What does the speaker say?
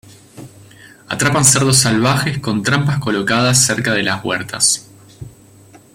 Atrapan cerdos salvajes con trampas colocadas cerca de las huertas.